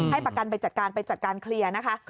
ประกันไปจัดการไปจัดการเคลียร์นะคะ